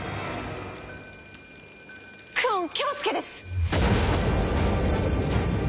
久遠京介です！